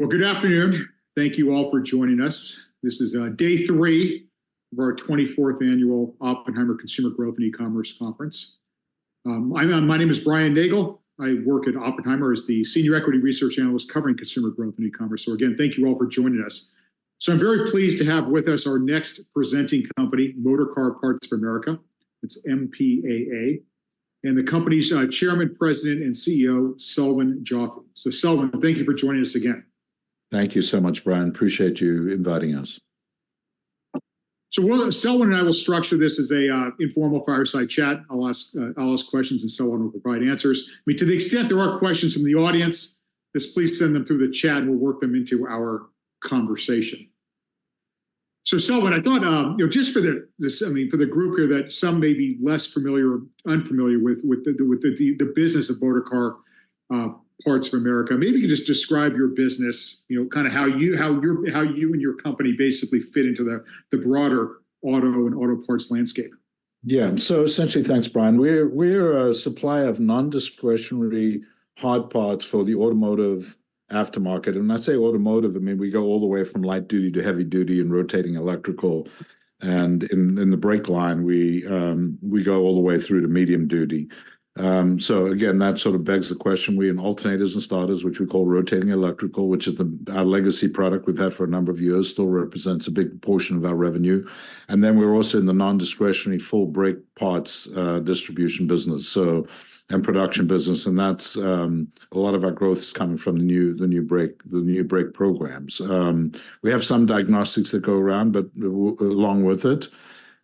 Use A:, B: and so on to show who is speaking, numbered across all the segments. A: Well, good afternoon. Thank you all for joining us. This is day 3 of our 24th Annual Oppenheimer Consumer Growth and E-Commerce Conference. My name is Brian Nagel. I work at Oppenheimer as the Senior Equity Research Analyst covering consumer growth and e-commerce. So again, thank you all for joining us. So I'm very pleased to have with us our next presenting company, Motorcar Parts of America, it's MPAA, and the company's chairman, president, and CEO, Selwyn Joffe. So Selwyn, thank you for joining us again.
B: Thank you so much, Brian. Appreciate you inviting us.
A: So we'll, Selwyn and I will structure this as an informal fireside chat. I'll ask questions, and Selwyn will provide answers. I mean, to the extent there are questions from the audience, just please send them through the chat, and we'll work them into our conversation. So Selwyn, I thought, you know, just for the, I mean, for the group here, that some may be less familiar or unfamiliar with the business of Motorcar Parts of America, maybe you could just describe your business, you know, kinda how you and your company basically fit into the broader auto and auto parts landscape.
B: Yeah. So essentially, thanks, Brian. We're a supplier of non-discretionary hard parts for the automotive aftermarket. When I say automotive, I mean, we go all the way from light duty to heavy duty and rotating electrical. And in the brake line, we go all the way through to medium duty. So again, that sort of begs the question, we're in alternators and starters, which we call rotating electrical, which is our legacy product we've had for a number of years, still represents a big portion of our revenue. And then we're also in the non-discretionary full brake parts distribution business, so, and production business, and that's a lot of our growth is coming from the new brake programs. We have some diagnostics that go around, but along with it,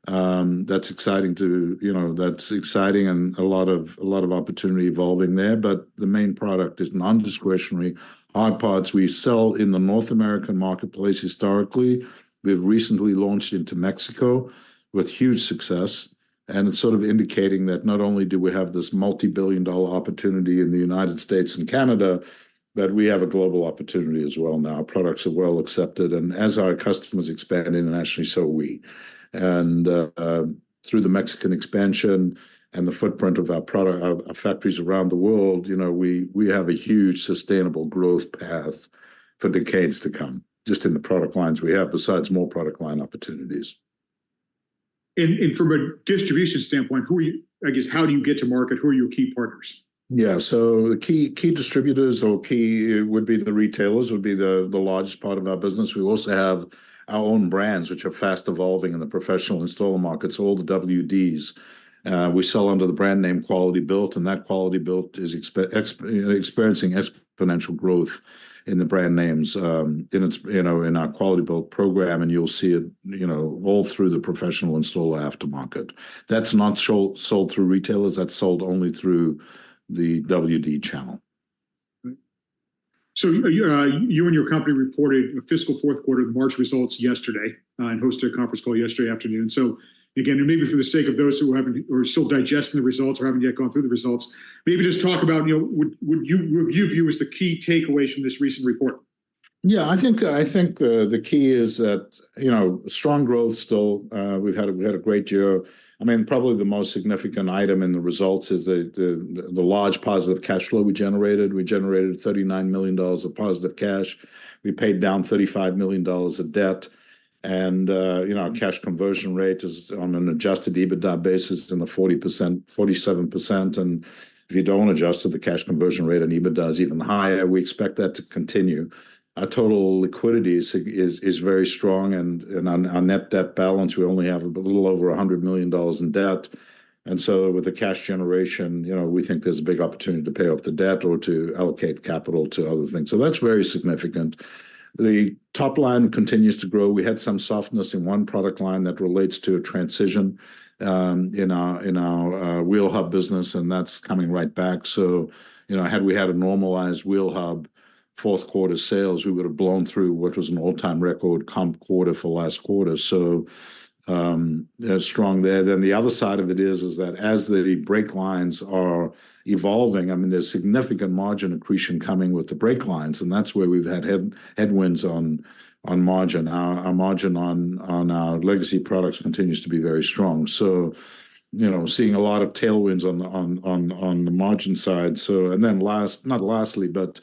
B: that's exciting to, you know, that's exciting and a lot of, a lot of opportunity evolving there, but the main product is non-discretionary, hard parts we sell in the North American marketplace historically. We've recently launched into Mexico with huge success, and it's sort of indicating that not only do we have this $multi-billion-dollar opportunity in the United States and Canada, but we have a global opportunity as well now. Our products are well accepted, and as our customers expand internationally, so are we. And, through the Mexican expansion and the footprint of our product, our, our factories around the world, you know, we, we have a huge sustainable growth path for decades to come, just in the product lines we have, besides more product line opportunities.
A: From a distribution standpoint, who are you, I guess, how do you get to market? Who are your key partners?
B: Yeah. So the key, key distributors or key would be the retailers, would be the, the largest part of our business. We also have our own brands, which are fast evolving in the professional installer markets, all the WDs. We sell under the brand name Quality-Built, and that Quality-Built is experiencing exponential growth in the brand names, in its, you know, in our Quality-Built program, and you'll see it, you know, all through the professional installer aftermarket. That's not sold through retailers, that's sold only through the WD channel.
A: So you, you and your company reported a fiscal fourth quarter, the March results yesterday, and hosted a conference call yesterday afternoon. So again, and maybe for the sake of those who are still digesting the results or haven't yet gone through the results, maybe just talk about, you know, what, what you, what you view as the key takeaways from this recent report?
B: Yeah, I think, I think the, the key is that, you know, strong growth still. We've had a, we had a great year. I mean, probably the most significant item in the results is the large positive cash flow we generated. We generated $39 million of positive cash. We paid down $35 million of debt, and, you know, our cash conversion rate is on an adjusted EBITDA basis, in the 40%-47%. And if you don't adjust to the cash conversion rate, and EBITDA is even higher, we expect that to continue. Our total liquidity is very strong, and on our net debt balance, we only have a little over $100 million in debt. With the cash generation, you know, we think there's a big opportunity to pay off the debt or to allocate capital to other things. That's very significant. The top line continues to grow. We had some softness in one product line that relates to a transition in our Wheel Hub business, and that's coming right back. So, you know, had we had a normalized Wheel Hub fourth quarter sales, we would have blown through what was an all-time record comp quarter for last quarter. So, strong there. The other side of it is that as the brake lines are evolving, I mean, there's significant margin accretion coming with the brake lines, and that's where we've had headwinds on margin. Our margin on our legacy products continues to be very strong. So, you know, seeing a lot of tailwinds on the margin side. So, and then last, not lastly, but,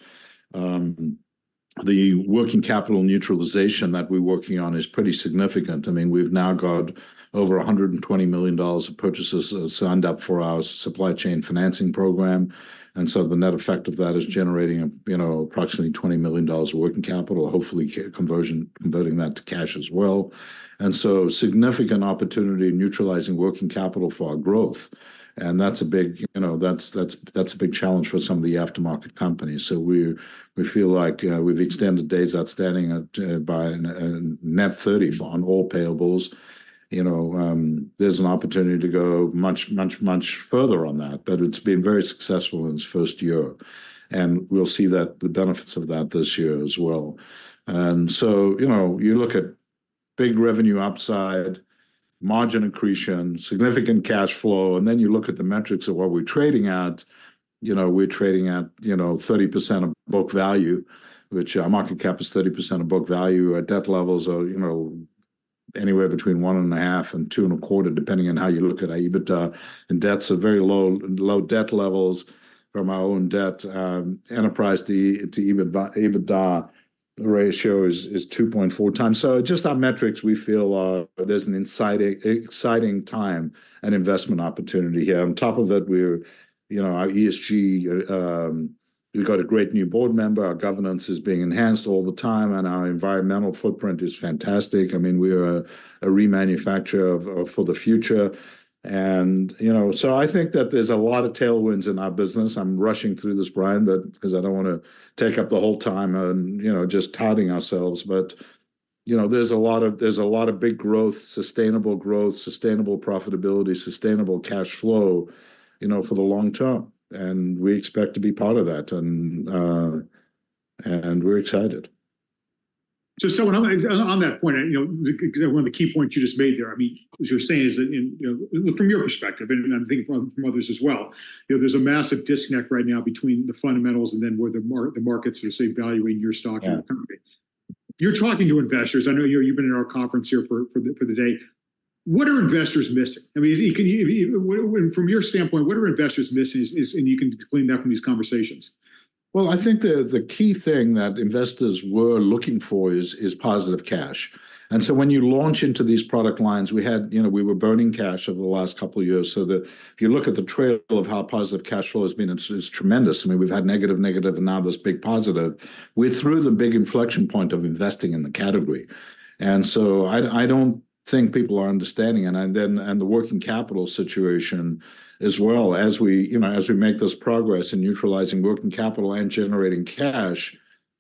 B: the working capital neutralization that we're working on is pretty significant. I mean, we've now got over $120 million of purchases signed up for our supply chain financing program. And so the net effect of that is generating, you know, approximately $20 million of working capital, hopefully converting that to cash as well. And so significant opportunity in neutralizing working capital for our growth. And that's a big, you know, that's a big challenge for some of the aftermarket companies. So we're, we feel like, we've extended days outstanding by a net 30 on all payables. You know, there's an opportunity to go much, much, much further on that, but it's been very successful in its first year, and we'll see that, the benefits of that this year as well. And so, you know, you look at big revenue upside, margin accretion, significant cash flow, and then you look at the metrics of what we're trading at, you know, we're trading at, you know, 30% of book value, which, our market cap, is 30% of book value. Our debt levels are, you know, anywhere between 1.5 and 2.25, depending on how you look at our EBITDA, and debts are very low, low debt levels for my own debt. Enterprise to EBITDA, EBITDA ratio is 2.4 times. So just our metrics, we feel, there's an exciting, exciting time and investment opportunity here. On top of that, we're, you know, our ESG, we've got a great new board member, our governance is being enhanced all the time, and our environmental footprint is fantastic. I mean, we're a remanufacturer of, for the future. And, you know, so I think that there's a lot of tailwinds in our business. I'm rushing through this, Brian, but 'cause I don't wanna take up the whole time on, you know, just touting ourselves. But, you know, there's a lot of, there's a lot of big growth, sustainable growth, sustainable profitability, sustainable cash flow, you know, for the long term, and we expect to be part of that, and, and we're excited.
A: So, what I'm gonna on that point, you know, one of the key points you just made there. I mean, what you're saying is that, you know, from your perspective, and I'm thinking from others as well, you know, there's a massive disconnect right now between the fundamentals and then where the markets are, say, valuing your stock.
B: Yeah
A: And the company. You're talking to investors. I know you, you've been in our conference here for the day. What are investors missing? I mean, can you, well, from your standpoint, what are investors missing? Is, and you can glean that from these conversations.
B: Well, I think the key thing that investors were looking for is positive cash. And so when you launch into these product lines, we had... You know, we were burning cash over the last couple of years, so if you look at the trail of how positive cash flow has been, it's tremendous. I mean, we've had negative, negative, and now this big positive. We're through the big inflection point of investing in the category, and so I don't think people are understanding it. And the working capital situation as well, as we, you know, as we make this progress in neutralizing working capital and generating cash,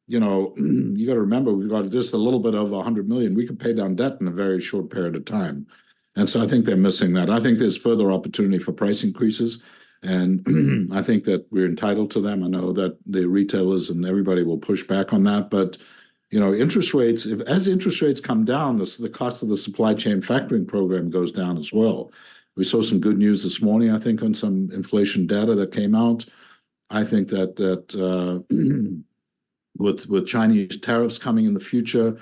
B: you know, you've got to remember, we've got just a little bit over $100 million. We could pay down debt in a very short period of time, and so I think they're missing that. I think there's further opportunity for price increases, and I think that we're entitled to them. I know that the retailers and everybody will push back on that. But, you know, interest rates, if as interest rates come down, the cost of the supply chain factoring program goes down as well. We saw some good news this morning, I think, on some inflation data that came out. I think that, with Chinese tariffs coming in the future,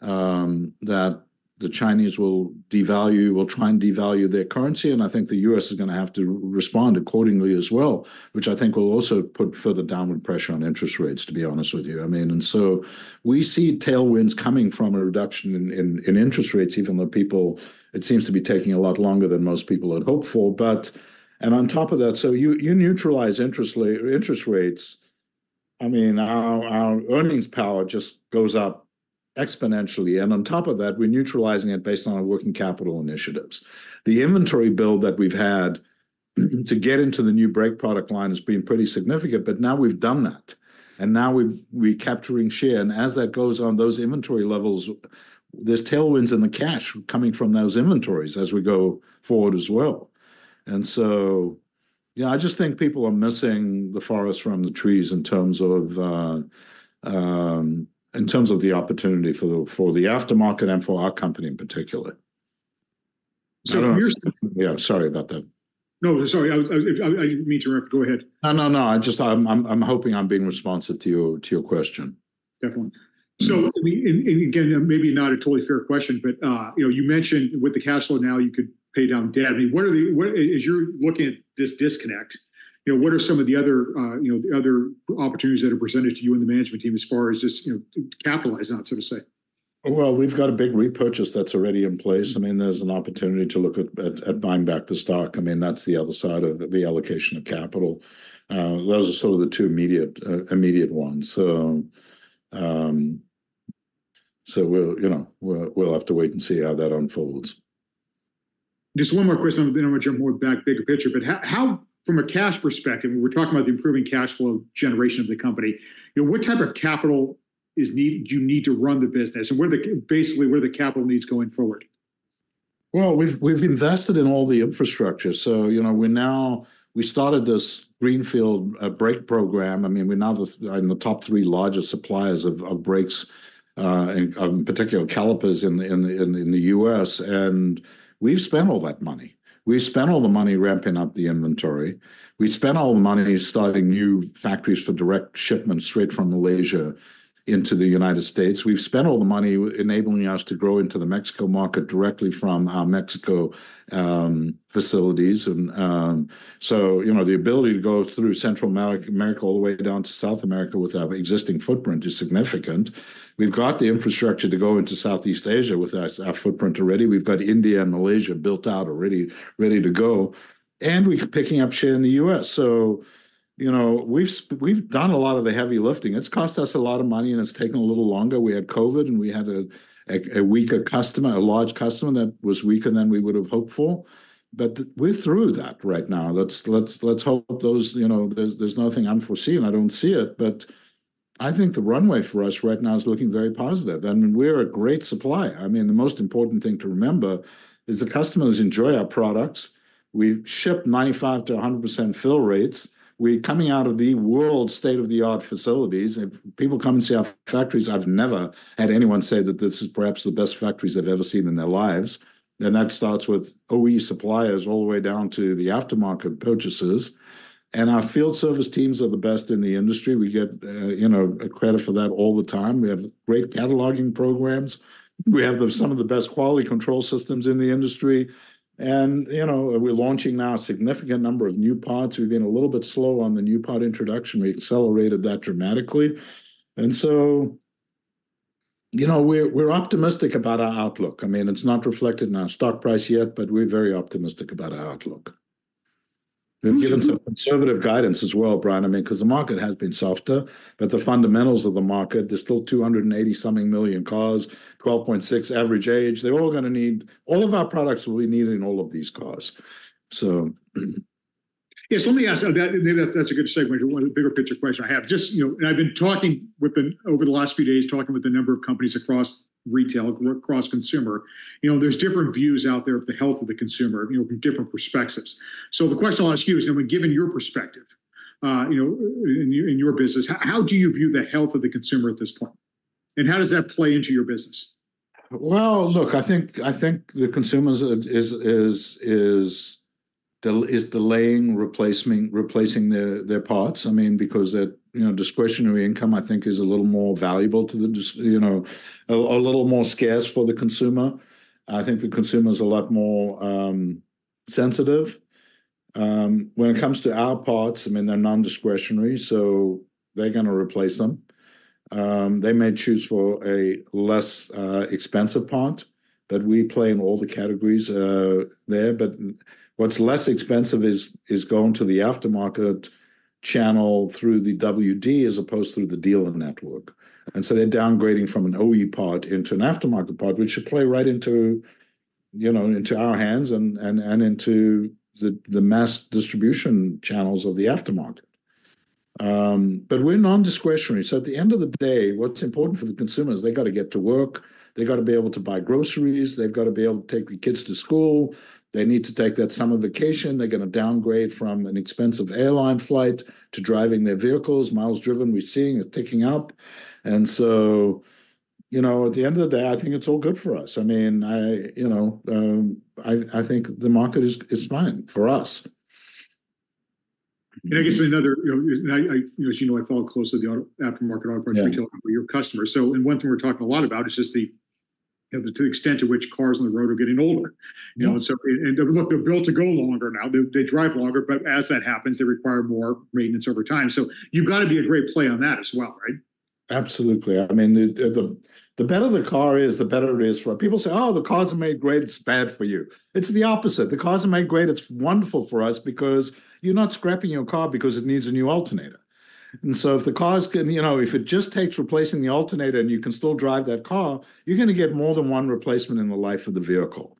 B: that the Chinese will devalue, will try and devalue their currency, and I think the U.S. is gonna have to respond accordingly as well, which I think will also put further downward pressure on interest rates, to be honest with you. I mean, and so we see tailwinds coming from a reduction in interest rates, even though people, it seems to be taking a lot longer than most people had hoped for. But. And on top of that, so you neutralize interest rates, I mean, our earnings power just goes up exponentially, and on top of that, we're neutralizing it based on our working capital initiatives. The inventory build that we've had to get into the new brake product line has been pretty significant, but now we've done that, and now we're capturing share. And as that goes on, those inventory levels, there's tailwinds in the cash coming from those inventories as we go forward as well. And so, yeah, I just think people are missing the forest from the trees in terms of, in terms of the opportunity for the, for the aftermarket and for our company in particular.
A: So from your-
B: Yeah, sorry about that.
A: No, sorry, I didn't mean to interrupt. Go ahead.
B: No, no, no, I just, I'm hoping I'm being responsive to your, to your question.
A: Definitely.
B: Mm-hmm.
A: So, I mean, again, maybe not a totally fair question, but, you know, you mentioned with the cash flow now, you could pay down debt. I mean, as you're looking at this disconnect, you know, what are some of the other, you know, the other opportunities that are presented to you and the management team as far as this, you know, capitalize on, so to say?
B: Well, we've got a big repurchase that's already in place. I mean, there's an opportunity to look at buying back the stock. I mean, that's the other side of the allocation of capital. Those are sort of the two immediate ones. So, we'll, you know, we'll have to wait and see how that unfolds.
A: Just one more question, then I'm gonna jump more back, bigger picture. But how, from a cash perspective, we're talking about the improving cash flow generation of the company, you know, what type of capital do you need to run the business, and where are the, basically, where are the capital needs going forward?
B: Well, we've invested in all the infrastructure. So, you know, we started this greenfield brake program. I mean, we're now in the top three largest suppliers of brakes and particular calipers in the U.S., and we've spent all that money. We've spent all the money ramping up the inventory. We've spent all the money starting new factories for direct shipments straight from Malaysia into the United States. We've spent all the money enabling us to grow into the Mexico market directly from our Mexico facilities, and so, you know, the ability to go through Central America all the way down to South America with our existing footprint is significant. We've got the infrastructure to go into Southeast Asia with our footprint already. We've got India and Malaysia built out already, ready to go, and we're picking up share in the U.S. So, you know, we've done a lot of the heavy lifting. It's cost us a lot of money, and it's taken a little longer. We had COVID, and we had a weaker customer, a large customer that was weaker than we would have hoped for, but we're through that right now. Let's hope those, you know, there's nothing unforeseen. I don't see it, but I think the runway for us right now is looking very positive, and we're a great supplier. I mean, the most important thing to remember is the customers enjoy our products. We've shipped 95%-100% fill rates. We're coming out of the world-class state-of-the-art facilities. If people come and see our factories, I've never had anyone say that this is perhaps the best factories they've ever seen in their lives. And that starts with OE suppliers all the way down to the aftermarket purchasers. And our field service teams are the best in the industry. We get, you know, credit for that all the time. We have great cataloging programs. We have the, some of the best quality control systems in the industry, and, you know, we're launching now a significant number of new parts. We've been a little bit slow on the new part introduction. We accelerated that dramatically. And so... You know, we're optimistic about our outlook. I mean, it's not reflected in our stock price yet, but we're very optimistic about our outlook.
A: Mm-hmm.
B: We've given some conservative guidance as well, Brian. I mean, 'cause the market has been softer, but the fundamentals of the market, there's still 280-something million cars, 12.6 average age. They're all gonna need- all of our products will be needed in all of these cars. So-
A: Yes, let me ask, maybe that's a good segment for one of the bigger picture questions I have. Just, you know, and I've been talking with them over the last few days, talking with a number of companies across retail, across consumer. You know, there's different views out there of the health of the consumer, you know, from different perspectives. So the question I'll ask you is, I mean, given your perspective, you know, in your business, how do you view the health of the consumer at this point? And how does that play into your business?
B: Well, look, I think the consumer's delaying replacing their parts. I mean, because that, you know, discretionary income I think is a little more valuable, you know, a little more scarce for the consumer. I think the consumer's a lot more sensitive. When it comes to our parts, I mean, they're non-discretionary, so they're gonna replace them. They may choose for a less expensive part, but we play in all the categories there. But what's less expensive is going to the aftermarket channel through the WD, as opposed through the dealer network. And so they're downgrading from an OE part into an aftermarket part, which should play right into, you know, into our hands and into the mass distribution channels of the aftermarket. But we're non-discretionary, so at the end of the day, what's important for the consumer is they've gotta get to work, they've gotta be able to buy groceries, they've gotta be able to take the kids to school. They need to take that summer vacation. They're gonna downgrade from an expensive airline flight to driving their vehicles. Miles driven, we're seeing, is ticking up. And so, you know, at the end of the day, I think it's all good for us. I mean, you know, I think the market is fine for us.
A: And I guess another, you know... As you know, I follow closely the auto aftermarket auto parts-
B: Yeah...
A: retailer for your customers. One thing we're talking a lot about is just the, you know, to the extent to which cars on the road are getting older.
B: Yeah.
A: You know, and so, look, they're built to go longer now. They drive longer, but as that happens, they require more maintenance over time. So you've gotta be a great play on that as well, right?
B: Absolutely. I mean, the better the car is, the better it is for... People say, "Oh, the cars are made great, it's bad for you." It's the opposite. The cars are made great, it's wonderful for us, because you're not scrapping your car because it needs a new alternator. And so if the car is gonna, you know, if it just takes replacing the alternator and you can still drive that car, you're gonna get more than one replacement in the life of the vehicle.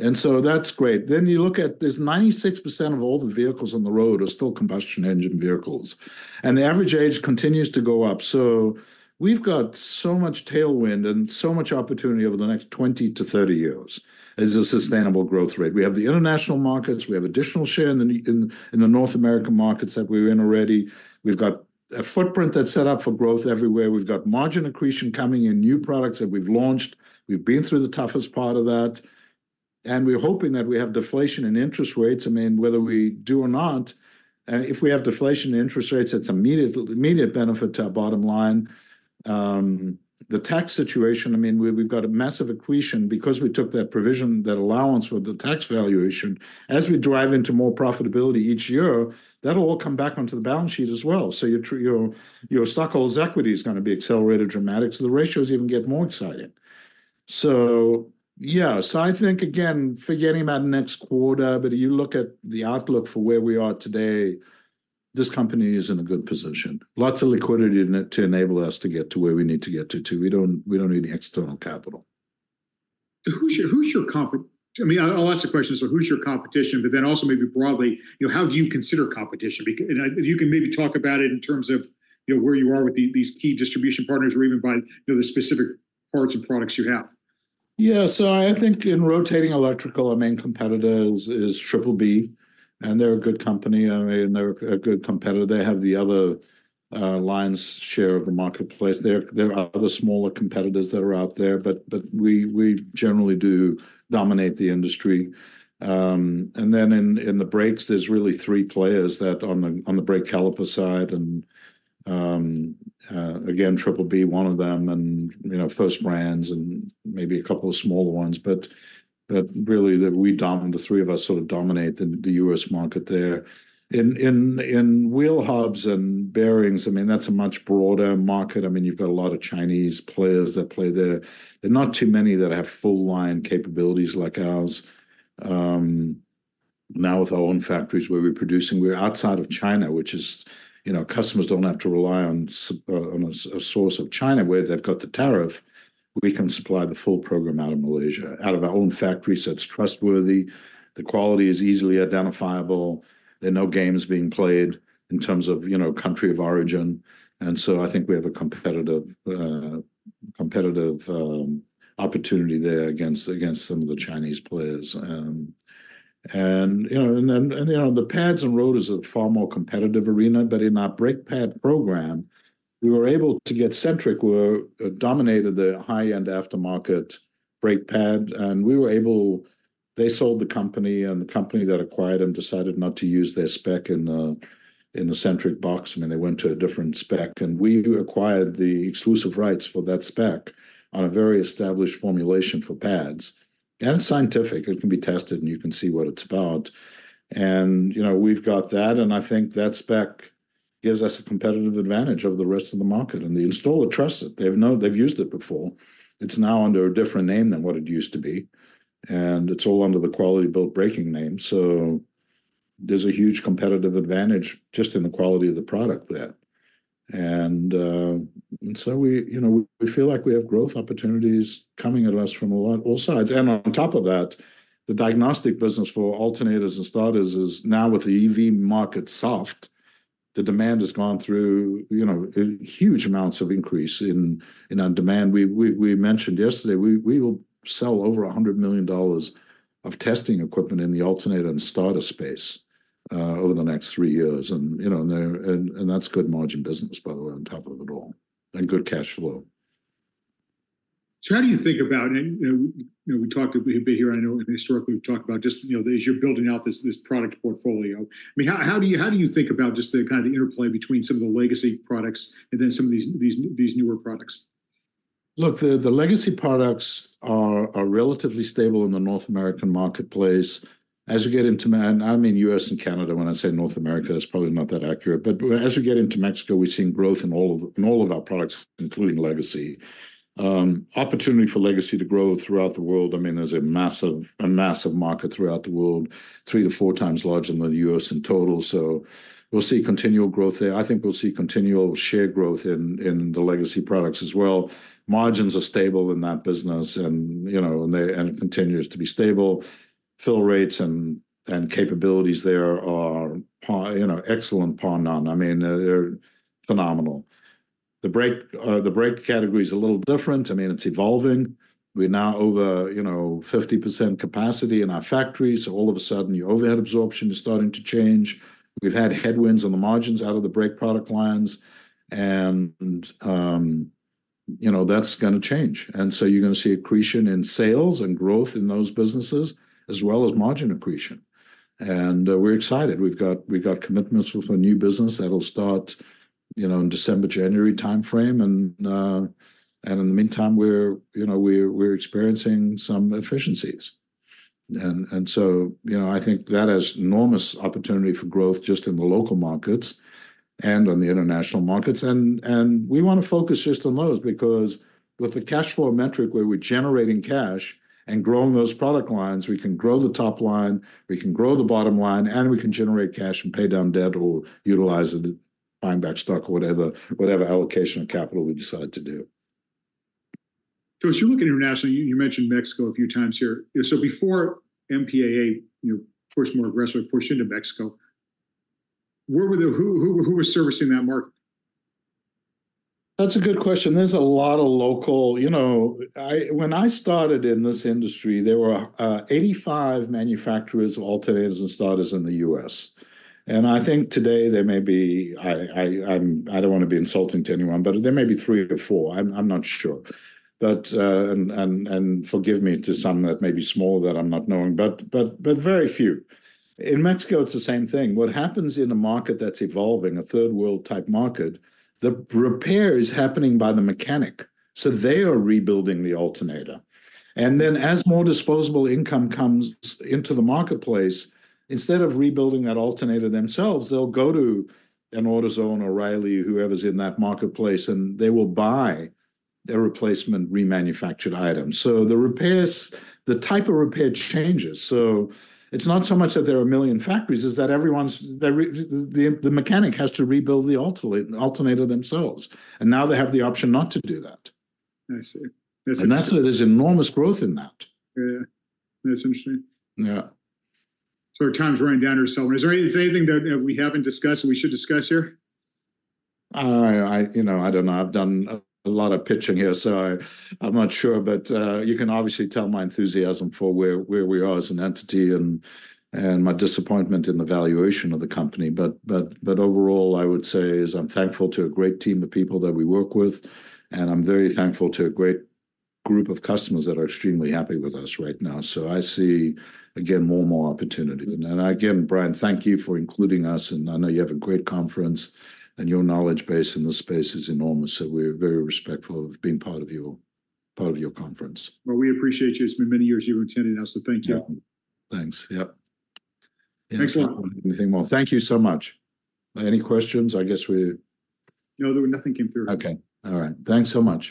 B: And so that's great. Then you look at, there's 96% of all the vehicles on the road are still combustion engine vehicles, and the average age continues to go up. So we've got so much tailwind and so much opportunity over the next 20-30 years, as a sustainable growth rate. We have the international markets, we have additional share in the North American markets that we're in already. We've got a footprint that's set up for growth everywhere. We've got margin accretion coming in, new products that we've launched. We've been through the toughest part of that, and we're hoping that we have deflation in interest rates. I mean, whether we do or not, if we have deflation in interest rates, that's immediate, immediate benefit to our bottom line. The tax situation, I mean, we, we've got a massive accretion because we took that provision, that allowance with the tax valuation. As we drive into more profitability each year, that'll all come back onto the balance sheet as well. So your stockholders' equity is gonna be accelerated dramatically, so the ratios even get more exciting. So yeah, so I think, again, forgetting about next quarter, but you look at the outlook for where we are today, this company is in a good position. Lots of liquidity to enable us to get to where we need to get to, too. We don't, we don't need any external capital.
A: I mean, I'll ask the question, so who's your competition? But then also maybe broadly, you know, how do you consider competition? And if you can maybe talk about it in terms of, you know, where you are with these key distribution partners, or even by, you know, the specific parts and products you have.
B: Yeah. So I think in rotating electrical, our main competitor is BBB, and they're a good company, I mean, they're a good competitor. They have the other lion's share of the marketplace. There are other smaller competitors that are out there, but we generally do dominate the industry. And then in the brakes, there's really three players that on the brake caliper side, and again, BBB, one of them, and, you know, First Brands and maybe a couple of smaller ones. But really the three of us sort of dominate the U.S. market there. In wheel hubs and bearings, I mean, that's a much broader market. I mean, you've got a lot of Chinese players that play there. There're not too many that have full line capabilities like ours. Now, with our own factories where we're producing, we're outside of China, which is, you know, customers don't have to rely on a source of China where they've got the tariff. We can supply the full program out of Malaysia, out of our own factory, so it's trustworthy, the quality is easily identifiable. There are no games being played in terms of, you know, country of origin, and so I think we have a competitive opportunity there against some of the Chinese players. And you know, the pads and rotors is a far more competitive arena, but in our brake pad program, we were able to get Centric which dominated the high-end aftermarket brake pad, and we were able... They sold the company, and the company that acquired them decided not to use their spec in the, in the Centric box. I mean, they went to a different spec, and we acquired the exclusive rights for that spec on a very established formulation for pads. And it's scientific, it can be tested, and you can see what it's about. And, you know, we've got that, and I think that spec gives us a competitive advantage over the rest of the market, and the installer trusts it. They've known. They've used it before. It's now under a different name than what it used to be, and it's all under the Quality-Built Braking name. So there's a huge competitive advantage just in the quality of the product there. And so we, you know, we feel like we have growth opportunities coming at us from all, all sides. On top of that, the diagnostic business for alternators and starters is now, with the EV market soft, the demand has gone through, you know, huge amounts of increase in our demand. We mentioned yesterday we will sell over $100 million of testing equipment in the alternator and starter space over the next three years. And you know that's good margin business, by the way, on top of it all, and good cash flow.
A: So how do you think about it? And, you know, you know, we talked a bit here, I know, and historically, we've talked about just, you know, as you're building out this, this product portfolio. I mean, how, how do you, how do you think about just the kind of interplay between some of the legacy products and then some of these, these, these newer products?
B: Look, the legacy products are relatively stable in the North American marketplace. As you get into... And I mean U.S. and Canada, when I say North America, that's probably not that accurate. But as you get into Mexico, we've seen growth in all of our products, including legacy. Opportunity for legacy to grow throughout the world, I mean, there's a massive market throughout the world, 3-4 times larger than the US in total, so we'll see continual growth there. I think we'll see continual share growth in the legacy products as well. Margins are stable in that business, and, you know, it continues to be stable. Fill rates and capabilities there are second to none, you know, excellent. I mean, they're phenomenal. The brake category is a little different. I mean, it's evolving. We're now over, you know, 50% capacity in our factories, so all of a sudden, your overhead absorption is starting to change. We've had headwinds on the margins out of the brake product lines, and, you know, that's gonna change. And so you're gonna see accretion in sales and growth in those businesses, as well as margin accretion. And, we're excited. We've got, we've got commitments with a new business that'll start, you know, in December, January timeframe, and, and in the meantime, we're, you know, we're, we're experiencing some efficiencies. And, and so, you know, I think that has enormous opportunity for growth just in the local markets and on the international markets. And we wanna focus just on those because with the cash flow metric, where we're generating cash and growing those product lines, we can grow the top line, we can grow the bottom line, and we can generate cash and pay down debt or utilize it, buying back stock or whatever, whatever allocation of capital we decide to do.
A: So as you look at international, you mentioned Mexico a few times here. So before MPAA, you know, pushed more aggressive, pushed into Mexico, where were the... Who was servicing that market?
B: That's a good question. There's a lot of local... You know, I—when I started in this industry, there were 85 manufacturers, alternators, and starters in the U.S. And I think today there may be, I'm, I don't wanna be insulting to anyone, but there may be 3-4. I'm not sure. But, and forgive me to some that may be small that I'm not knowing, but very few. In Mexico, it's the same thing. What happens in a market that's evolving, a third-world type market, the repair is happening by the mechanic, so they are rebuilding the alternator. And then, as more disposable income comes into the marketplace, instead of rebuilding that alternator themselves, they'll go to an AutoZone, O'Riley, whoever's in that marketplace, and they will buy a replacement remanufactured item. So the repairs, the type of repair changes. So it's not so much that there are 1 million factories, it's that everyone's, the mechanic has to rebuild the alternator themselves, and now they have the option not to do that.
A: I see. That's-
B: That's why there's enormous growth in that.
A: Yeah. That's interesting.
B: Yeah.
A: So our time's running down here, so is there anything that we haven't discussed that we should discuss here?
B: You know, I don't know. I've done a lot of pitching here, so I'm not sure. But you can obviously tell my enthusiasm for where we are as an entity, and my disappointment in the valuation of the company. But overall, I would say is I'm thankful to a great team of people that we work with, and I'm very thankful to a great group of customers that are extremely happy with us right now. So I see, again, more and more opportunities. And again, Brian, thank you for including us, and I know you have a great conference, and your knowledge base in this space is enormous, so we're very respectful of being part of your conference.
A: Well, we appreciate you. It's been many years you've attended us, so thank you.
B: Yeah. Thanks. Yep.
A: Excellent.
B: Anything more. Thank you so much. Any questions? I guess we-
A: No, there nothing came through.
B: Okay. All right. Thanks so much.